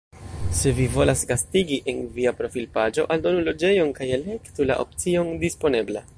Se vi volas gastigi, en via profilpaĝo aldonu loĝejon kaj elektu la opcion Disponebla.